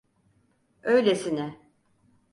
Öylesine…